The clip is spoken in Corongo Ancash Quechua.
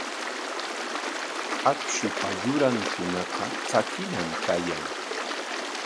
Akshupa yurankunaqa tsakiñam kaykan.